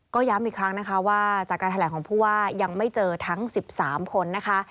ก็ย้ำอีกครั้งนะคะว่าจากการแถลงของผู้ว่ายังไม่เจอทั้ง๑๓คนนะคะ